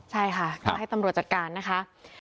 ใช่ค่ะก็ให้ตำรวจจัดการนะคะ